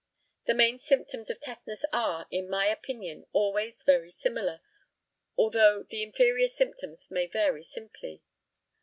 The main symptoms of tetanus are, in my opinion, always very similar, although the inferior symptoms may vary simply.